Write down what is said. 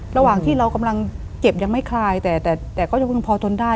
ระหว่างที่เรากำลังเก็บยังไม่คลายแต่ก็พอทนได้